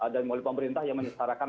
dari pemerintah yang menyesarakan